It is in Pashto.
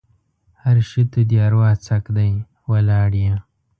هر شي ته دې اروا څک دی؛ ولاړ يې.